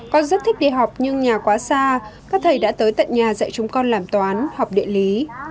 con rất thích đi học nhưng nhà quá xa các thầy đã tới tận nhà dạy chúng con làm toán học địa lý